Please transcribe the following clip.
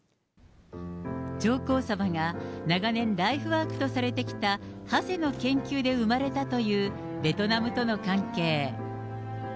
上皇さまが、長年ライフワークとされてきた、ハゼの研究で生まれたというベトナムとの関係。